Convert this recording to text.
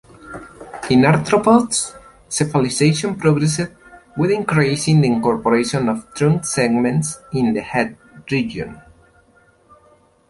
In arthropods, cephalization progressed with increasing incorporation of trunk segments into the head region.